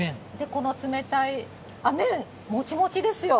この冷たい麺、もちもちですよ。